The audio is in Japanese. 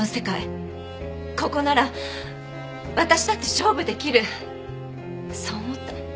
ここなら私だって勝負できるそう思った。